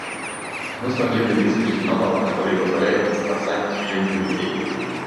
Мы смогли добиться результатов, которые позволяют спасать жизни людей.